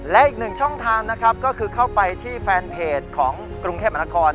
และอีกหนึ่งช่องทางนะครับก็คือเข้าไปที่แฟนเพจของกรุงเทพมหานคร